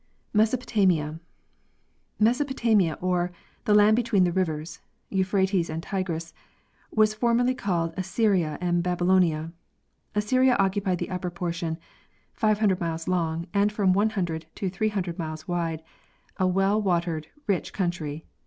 Mesopotamia. Mesopotamia, or " The land between the rivers" (Euphrates and Tigris), was formerly called Assyria and Babylonia. As syria occupied the upper portion, 500 miles long and from 100 to 300 miles wide, a well watered, rich country.